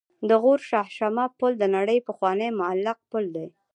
د غور شاهمشه پل د نړۍ پخوانی معلق پل دی